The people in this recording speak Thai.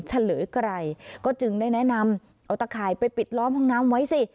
เฉลยไกรก็จึงได้แนะนำเอาตะข่ายไปปิดล้อมห้องน้ำไว้สิ